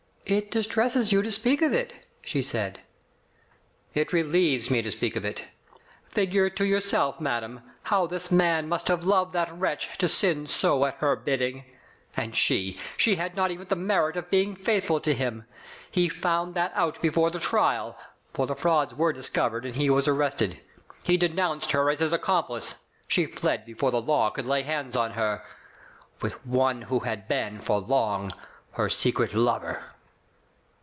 "It distresses you to speak of it/' she said. "It relieves me to speak of it. Figure to your self, madame, how this man must have loved that wretch to sin so at her bidding. And she — she had not even the merit of being faithful to him. He found that out before the trial — for the frauds were discovered, and he was arrested. He denounced her as his accomplice. She fled before the law could lay hands on her — with one who had been, for long, her secret lover."